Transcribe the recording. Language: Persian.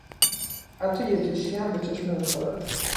حتی یک کشتی هم به چشم نمیخورد.